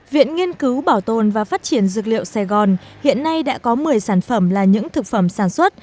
viện nghiên cứu bảo tồn và phát triển dược liệu sài gòn hiện nay đã có một mươi sản phẩm là những thực phẩm sản xuất